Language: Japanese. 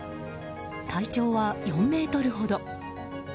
体長は４ｍほど。